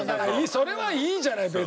それはいいじゃない別に。